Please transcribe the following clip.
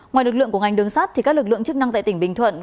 ngoài lực lượng của ngành đường sát các lực lượng chức năng tại tỉnh bình thuận